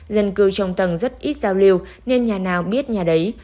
dân cư trong tầng rất ít giao lưu nên nhà nào biết nhà đấy